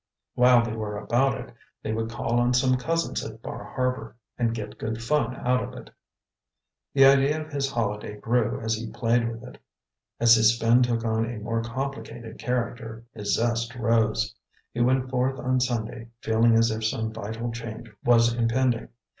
While they were about it, they would call on some cousins at Bar Harbor and get good fun out of it. The idea of his holiday grew as he played with it. As his spin took on a more complicated character, his zest rose. He went forth on Sunday feeling as if some vital change was impending.